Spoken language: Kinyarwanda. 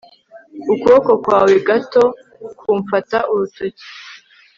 ukuboko kwawe gato kumfata urutoki